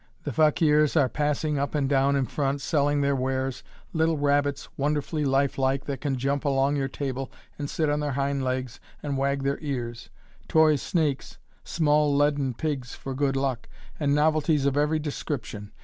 The fakirs are passing up and down in front, selling their wares little rabbits, wonderfully lifelike, that can jump along your table and sit on their hind legs, and wag their ears; toy snakes; small leaden pigs for good luck; and novelties of every description.